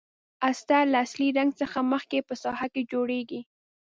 استر له اصلي رنګ څخه مخکې په ساحه کې جوړیږي.